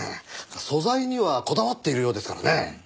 素材にはこだわっているようですからね。